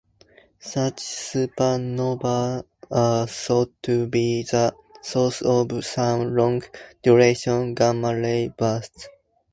Such supernovae are thought to be the source of some long-duration gamma-ray bursts.